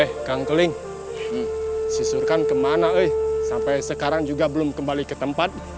eh kang keling si surkan kemana sampai sekarang juga belum kembali ke tempat